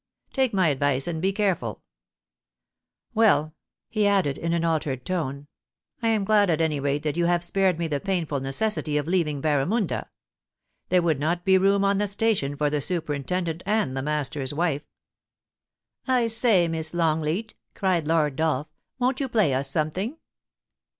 Take my advice, and be careful Well,' he added in an altered tone, * I am glad at any rate that you have spared me the painful necessity of leaving Barramunda. There would not be room on the station for the superintendent and the master's wife.' * I say, Miss Longleat,' cried Lord Dolph, * won't you play us something